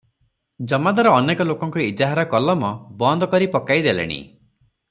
ଜମାଦାର ଅନେକ ଲୋକଙ୍କ ଇଜାହାର କଲମ ବନ୍ଦ କରି ପକାଇ ଦେଲେଣି ।